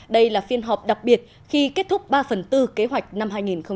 đây là phiên họp đặc biệt khi kết thúc ba phần tư kế hoạch năm hai nghìn hai mươi